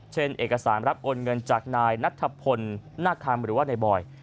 เอกสารรับโอนเงินจากนายนัทพลนาคัมหรือว่าในบอย